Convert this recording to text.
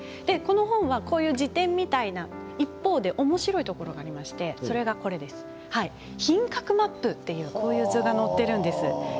この本は辞典みたいな一方でおもしろいところがありましてそれが品格マップというこういう図が載っているんです。